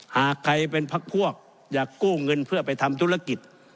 หากใครเป็นพักพวกอยากกู้เงินเพื่อไปทำธุรกิจ